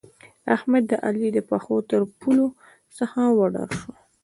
احمد؛ د علي له پښو ترپولو څخه وډار شو.